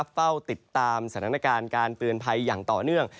เฝ้าติดตามสถานการณ์การเตือนภัยอย่างต่อเนื่อง